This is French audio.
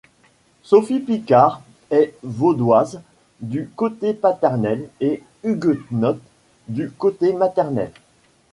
Sophie Piccard est vaudoise du côté paternel et huguenote du côté maternel.